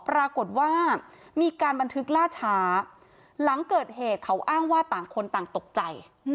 ปรากฏว่ามีการบันทึกล่าช้าหลังเกิดเหตุเขาอ้างว่าต่างคนต่างตกใจ